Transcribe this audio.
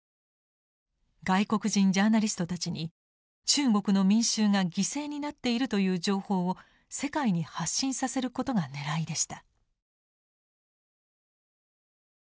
外国人ジャーナリストたちに中国の民衆が犠牲になっているという情報を世界に発信させることが狙いでした。